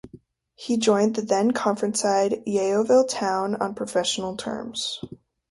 He joined the then Conference side Yeovil Town on professional terms.